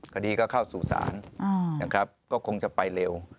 คดีก็เข้าสู่สารก็คงจะไปเร็ว